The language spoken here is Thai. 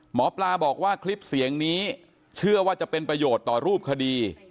หมอปลาบอกว่าคลิปเสียงนี้เชื่อว่าจะเป็นประโยชน์ต่อรูปคดี